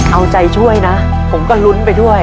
เอาใจช่วยนะผมก็ลุ้นไปด้วย